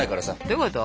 どういうこと？